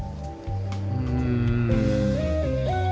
うん。